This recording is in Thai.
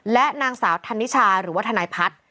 และนางสาวธนิชาหรือว่าทนายพัฒน์